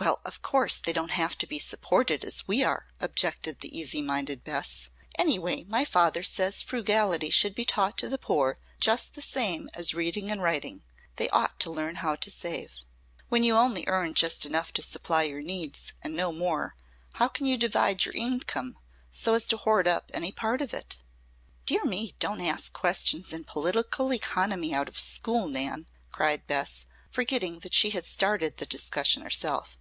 "Well, of course, they don't have to be supported as we are," objected the easy minded Bess. "Anyway my father says frugality should be taught to the poor just the same as reading and writing. They ought to learn how to save." "When you earn only just enough to supply your needs, and no more, how can you divide your income so as to hoard up any part of it?" "Dear me! Don't ask questions in political economy out of school, Nan!" cried Bess, forgetting that she had started the discussion herself.